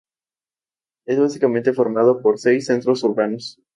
Es básicamente formado por seis centros urbanos.